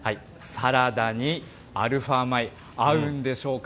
サラダにアルファ米、合うんでしょうか。